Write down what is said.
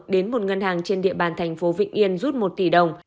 đến một ngân hàng trên địa bàn thành phố vĩnh yên rút một tỷ đồng